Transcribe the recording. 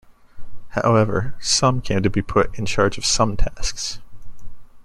However, some came to be put in charge of some tasks.